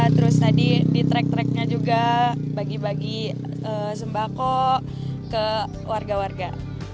terus tadi di track tracknya juga bagi bagi sembako ke warga warga